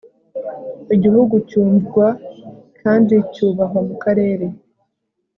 igihugu cyumvwa kandi cyubahwa mu karere